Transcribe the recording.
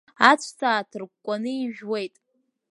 Аҵәца ааҭыркәкәаны ижәуеит.